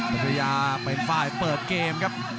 เป็นปัตยาเป็นฝ่ายเปิดเกมครับ